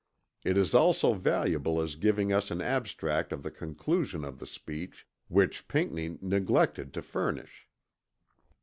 It is also valuable as giving us an abstract of the conclusion of the speech which Pinckney neglected to furnish.